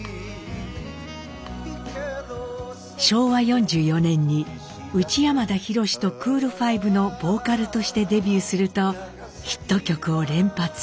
昭和４４年に内山田洋とクール・ファイブのボーカルとしてデビューするとヒット曲を連発。